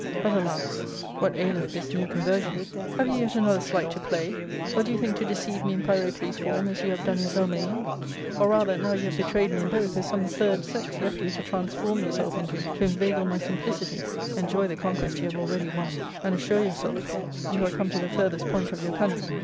But, alas ! what aileth this new conversion ? have you yet another sleight to play, or do you think to de ceive me in Pyrocles' form as you have done in Zelmane's ? Or rather, now you have betrayed me in both, is some third sex left you to transform yourself into to inveigle my simpli city ? Enjoy the conquest you have already won, and assure yourself you are come to the farthest point of your cunning.